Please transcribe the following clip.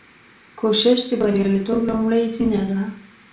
کوشش د بریالیتوب لومړۍ زینه ده.